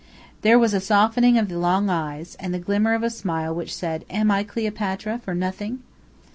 There was a softening of the long eyes, and the glimmer of a smile which said "Am I Cleopatra for nothing?"